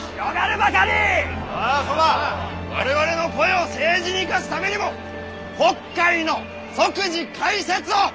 我々の声を政治に生かすためにも国会の即時開設を求める！